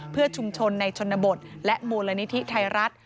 เพื่อชุมชนในชนบทและมูลนิธิไทยรัฐ